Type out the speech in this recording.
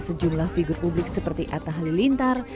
sejumlah figur publik seperti atta halilintar